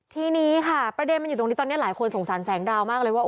ทีนี้ค่ะประเด็นมันอยู่ตรงนี้ตอนนี้หลายคนสงสารแสงดาวมากเลยว่า